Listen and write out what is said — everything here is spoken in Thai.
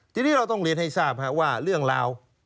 ทีนี้เราต้องเรียนให้ทราบว่าเรื่องราว